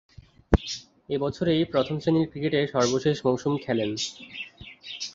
এ বছরেই প্রথম-শ্রেণীর ক্রিকেটের সর্বশেষ মৌসুম খেলেন।